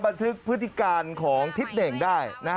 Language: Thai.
บันทึกพฤติการของทิศเน่น